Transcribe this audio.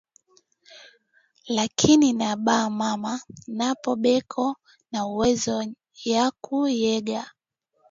Lakini na ba mama nabo beko na uwezo yaku yenga